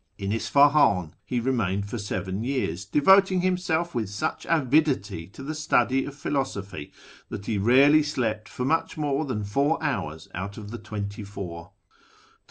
In Isfahiin he remained for seven years, devoting himself with such avidity to the study of philosophy that he rarely slept for much more than four hours out of the twenty four.